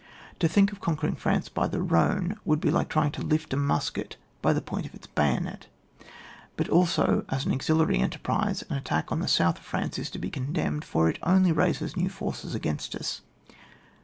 To think of con quering France by the Bhone, would be like trying to lift a musket by the point of its bayonet; but also as an auxiliary en terprise, an attack on the South of France is to be condemned, for it only raises new forces against us.